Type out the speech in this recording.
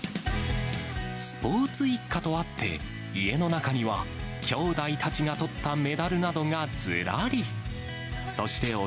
スポーツ一家とあって、家の中にはきょうだいたちがとったメダルなどがずらり。